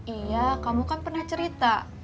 iya kamu kan pernah cerita